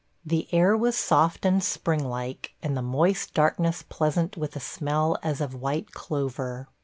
... The air was soft and spring like and the moist darkness pleasant with a smell as of white clover.